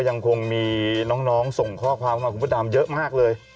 ยังคงมีน้องส่งข้อความเข้ามาคุณพระดำเยอะมากเลย